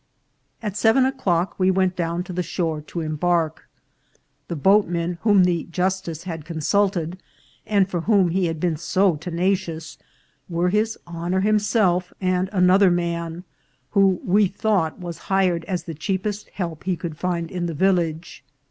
AT seven o'clock we went down to the shore to embark. The boatmen whom the justice had consult ed, and for whom he had been so tenacious, were his honour himself and another man, who, we thought, was hired as the cheapest help he could find in the vil lage.